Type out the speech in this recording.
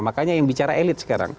makanya yang bicara elit sekarang